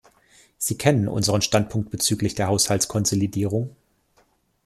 Sie kennen unseren Standpunkt bezüglich der Haushaltskonsolidierung.